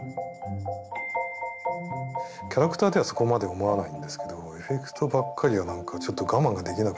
キャラクターではそこまで思わないんですけどエフェクトばっかりは何かちょっと我慢ができなくなっちゃって。